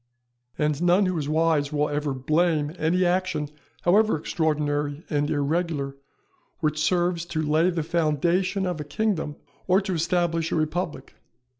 And none who is wise will ever blame any action, however extraordinary and irregular, which serves to lay the foundation of a kingdom or to establish a republic.